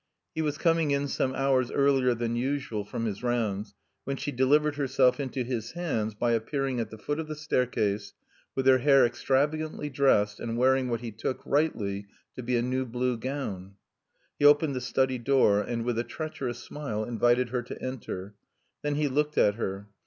He was coming in some hours earlier than usual from his rounds when she delivered herself into his hands by appearing at the foot of the staircase with her hair extravagantly dressed, and wearing what he took, rightly, to be a new blue gown. He opened the study door, and, with a treacherous smile, invited her to enter. Then he looked at her.